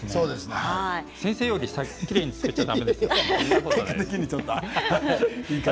先生よりきれいに作っちゃだめですよ。